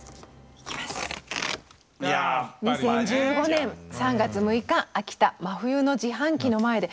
２０１５年３月６日「秋田真冬の自販機の前で」。